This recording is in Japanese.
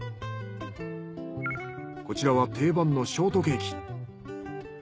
こちらは定番のショートケーキ。